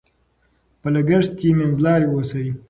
په لګښت کې منځلاري اوسئ.